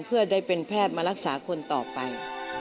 เพื่อได้เป็นแพทย์มารักษาคนต่อไป